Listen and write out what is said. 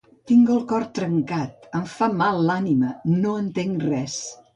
Tinc el cor trencat, em fa mal l’ànima, no entenc res.